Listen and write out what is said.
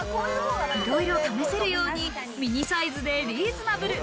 いろいろ試せるようにミニサイズでリーズナブル。